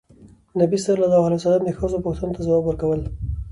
نبي ﷺ د ښځو پوښتنو ته ځواب ورکول.